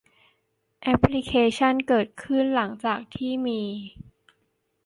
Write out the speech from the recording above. แอปพลิเคชั่นเกิดขึ้นหลังจากที่มี